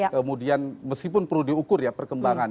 kemudian meskipun perlu diukur ya perkembangan